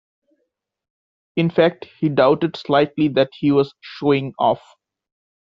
In fact, he doubted slightly that he was showing off.